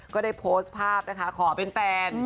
ก็ได้โพสต์ภาพนะคะขอเป็นแฟน